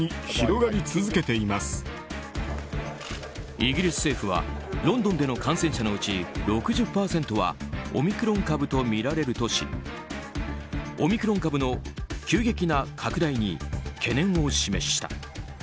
イギリス政府はロンドンでの感染者のうち６０％はオミクロン株とみられるとしオミクロン株の急激な拡大に懸念を示した。